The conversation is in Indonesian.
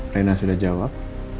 rena sudah jawab